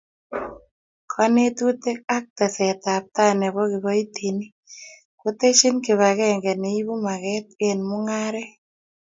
Konetutik ak tesetab tai nebo kibaitinik koteshin kibakenge neibu maget eng' mung'aret